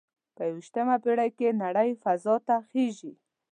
په یوویشتمه پیړۍ کې نړۍ فضا ته خیږي